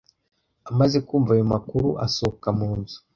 Amaze kumva ayo makuru, asohoka mu nzu.